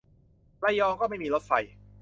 ระยองก็ไม่มีรถไฟ